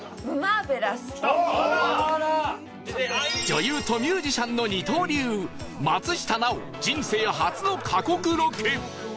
女優とミュージシャンの二刀流松下奈緒人生初の過酷ロケ